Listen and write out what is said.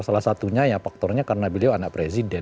salah satunya ya faktornya karena beliau anak presiden